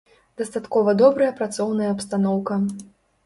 Дастаткова добрая працоўная абстаноўка.